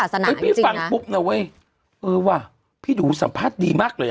ไม่ใช่แค่พี่ฟังปุ๊บนะเว้ยเออว่าพี่ดูสัมภาษณ์ดีมากเลยอะ